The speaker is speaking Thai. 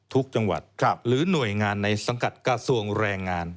ทุกจังหวัดหรือหน่วยงานในสังกัดกระทรวงแรงงาน